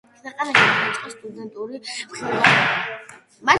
ქვეყანაში დაიწყო სტუდენტური მღელვარება.